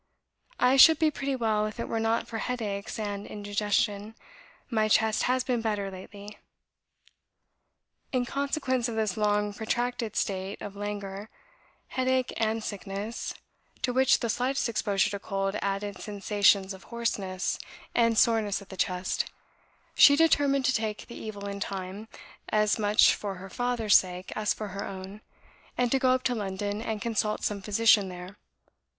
... I should be pretty well, if it were not for headaches and indigestion. My chest has been better lately." In consequence of this long protracted state of languor, headache, and sickness, to which the slightest exposure to cold added sensations of hoarseness and soreness at the chest, she determined to take the evil in time, as much for her father's sake as for her own, and to go up to London and consult some physician there.